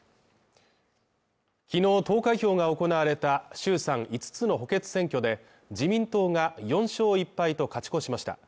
昨日投開票が行われた衆参五つの補欠選挙で自民党が４勝１敗と勝ち越しました。